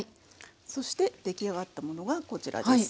そして出来上がったものがこちらです。